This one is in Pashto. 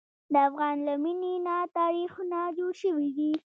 د افغان له مینې نه تاریخونه جوړ شوي دي.